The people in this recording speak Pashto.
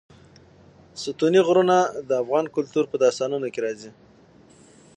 ستوني غرونه د افغان کلتور په داستانونو کې راځي.